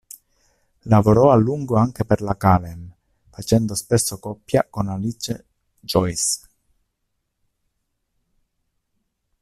Lavorò a lungo anche per la Kalem, facendo spesso coppia con Alice Joyce.